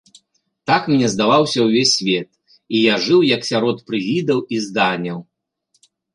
Так мне здаваўся ўвесь свет, і я жыў як сярод прывідаў і зданяў.